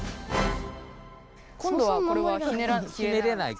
今度はこれはひねらなくていい？